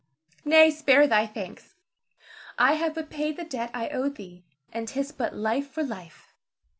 Nay, spare thy thanks! I have but paid the debt I owed thee, and 'tis but life for life.